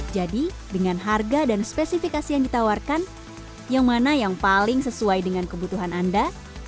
jadi dengan harga dan spesifikasi yang ditawarkan yang mana yang paling sesuai dengan kebutuhan anda